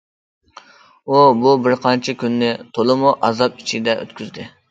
ئۇ بۇ بىر قانچە كۈننى تولىمۇ ئازاب ئىچىدە ئۆتكۈزدى.